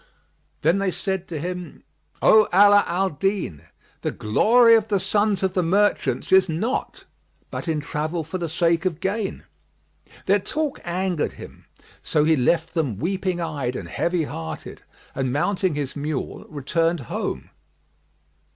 Then they said to him, "O Ala al Din, the glory of the sons of the merchants is not but in travel for the sake of gain." Their talk angered him; so he left them weeping eyed and heavy hearted and mounting his mule returned home.